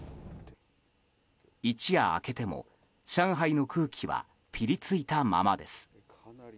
一夜明けても上海の空気はぴりついたままです。